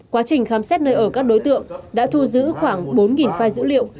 quá trình khám xét nơi ở các đối tượng đã thu giữ khoảng bốn file dữ liệu